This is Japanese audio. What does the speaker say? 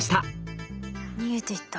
逃げていった。